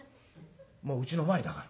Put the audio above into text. もううちの前だから。